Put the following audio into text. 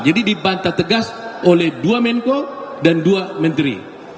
jadi dibantah tegas oleh dua menko dan dua menteri